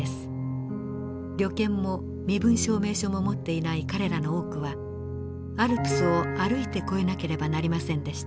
旅券も身分証明書も持っていない彼らの多くはアルプスを歩いて越えなければなりませんでした。